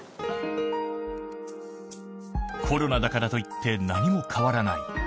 コロナだからといって、何も変わらない。